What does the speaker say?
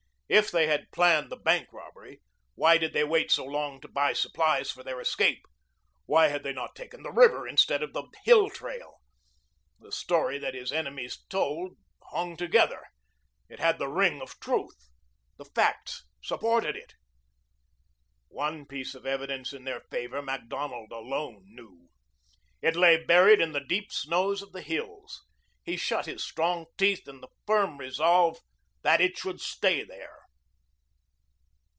If they had planned the bank robbery, why did they wait so long to buy supplies for their escape? Why had they not taken the river instead of the hill trail? The story that his enemies told hung together. It had the ring of truth. The facts supported it. One piece of evidence in their favor Macdonald alone knew. It lay buried in the deep snows of the hills. He shut his strong teeth in the firm resolve that it should stay there.